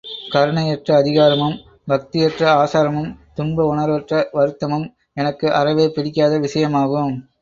கருணையற்ற அதிகாரமும், பக்தியற்ற ஆசாரமும், துன்ப உணர்வற்ற வருத்தமும் எனக்கு அறவே பிடிக்காத விஷயமாகும்.